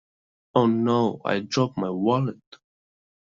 Oh No! I dropped my wallet!